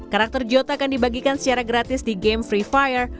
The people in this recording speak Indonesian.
karakter jota akan dibagikan secara gratis di game free fire